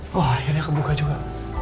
wah akhirnya kebuka juga